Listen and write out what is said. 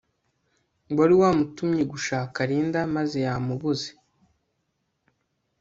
wari wamutumye gushaka Linda maze yamubuze